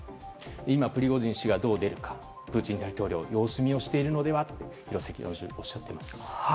今、プリゴジン氏がどう出るかプーチン大統領は様子見をしているのではと廣瀬教授はおっしゃっています。